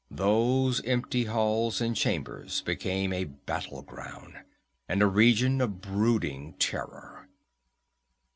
Those empty halls and chambers became a battleground, and a region of brooding terror.